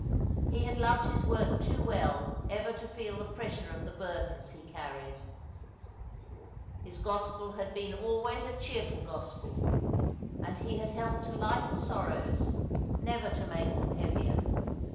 He had loved his work too well ever to feel the pressure of the burdens he carried. His gospel had been always a cheerful gospel, and he had helped to lighten sorrows, never to make them heavier.